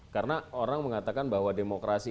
karena orang mengatakan bahwa demokrasi